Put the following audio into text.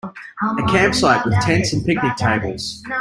A campsite with tents and picnic tables.